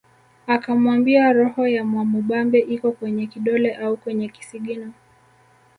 Akamwambia roho ya Mwamubambe iko kwenye kidole au kwenye kisigino